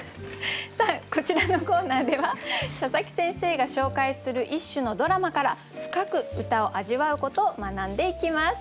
さあこちらのコーナーでは佐佐木先生が紹介する一首のドラマから深く歌を味わうことを学んでいきます。